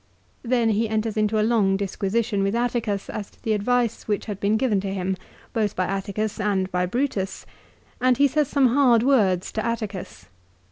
1 Then he enters into a long disquisition with Atticus as to the advice which had been given to him, both by Atticus and by Brutus, and he says some hard words to Atticus.